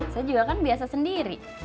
saya juga kan biasa sendiri